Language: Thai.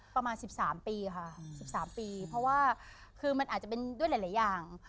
ประมาณ๑๓ปีค่ะ๑๓ปีเพราะว่าคือมันอาจจะเป็นด้วยหลายอย่าง